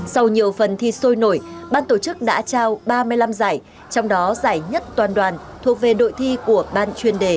sau nhiều phần thi sôi nổi ban tổ chức đã trao ba mươi năm giải trong đó giải nhất toàn đoàn thuộc về đội thi của ban chuyên đề